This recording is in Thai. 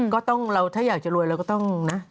เราถ้าอยากจะรวยเราก็ต้องนะ